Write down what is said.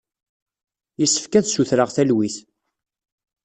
Yessefk ad sutreɣ talwit.